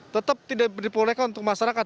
tetap tidak diperbolehkan untuk masyarakat